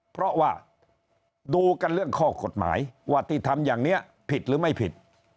เพราะว่าดูกันเรื่องข้อกฎหมายว่าที่ทำอย่างนี้ผิดหรือไม่ผิด